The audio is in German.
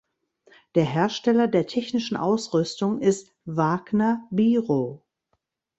Der Hersteller der technischen Ausrüstung ist Waagner Biro.